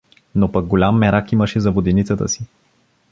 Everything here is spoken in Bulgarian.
Но пък голям мерак имаше за воденицата си.